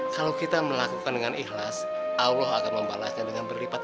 kalau kita melakukan dengan ikhlas allah akan membalasnya dengan berlipat